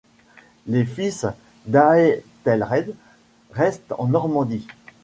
Les fils d'Æthelred restent en Normandie.